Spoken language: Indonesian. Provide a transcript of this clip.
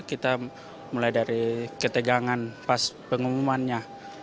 kita mulai dari ketegangan pas pengumumannya